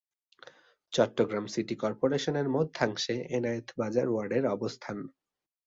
Chittagong city কর্পোরেশনের মধ্যাংশে এনায়েত বাজার ওয়ার্ডের অবস্থান।